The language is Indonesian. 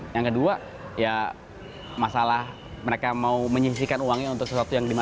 yang kedua ya masalah mereka mau menyisikan uangnya untuk sesuatu yang dimakan